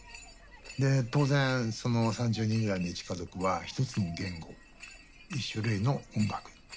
で当然その３０人ぐらいの一家族は一つの言語一種類の音楽だったわけです。